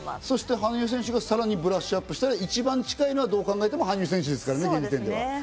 そして羽生選手がさらにブラッシュアップしたら一番近いのは羽生選手ですからね。